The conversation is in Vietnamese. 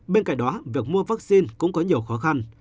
bên cạnh đó việc mua vắc xin cũng có nhiều khó khăn